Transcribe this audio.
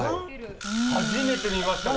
初めて見ました